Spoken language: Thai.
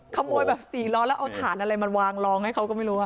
ขโมยแบบ๔ล้อแล้วเอาถ่านอะไรมาวางรองให้เขาก็ไม่รู้